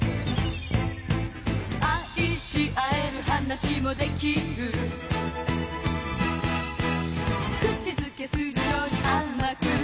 「愛し合える話も出来る」「くちづけするより甘く」